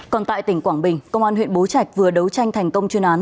còn tại tỉnh quảng bình công an huyện bố trạch vừa đấu tranh thành công chuyên án